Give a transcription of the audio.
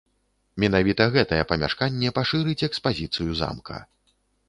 Менавіта гэтае памяшканне пашырыць экспазіцыю замка.